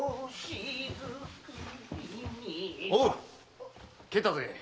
おう帰ったぜ！